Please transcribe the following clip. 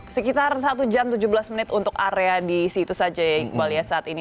sekitar satu jam tujuh belas menit untuk area di situ saja ya iqbal ya saat ini